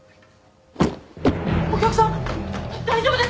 お客さん！